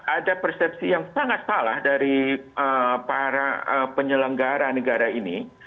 ada persepsi yang sangat salah dari para penyelenggara negara ini